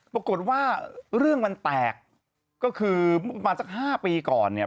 ปรากฏว่าเรื่องมันแตกก็คือมาสัก๕ปีก่อนเนี่ย